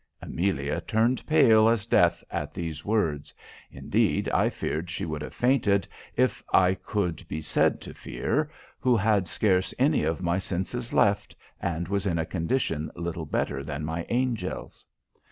Amelia turned pale as death at these words; indeed, I feared she would have fainted, if I could be said to fear, who had scarce any of my senses left, and was in a condition little better than my angel's.